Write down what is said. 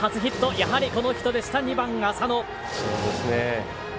やはり、この人でした、２番浅野。